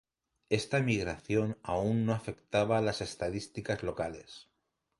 Esta migración aún no afectaba las estadísticas locales.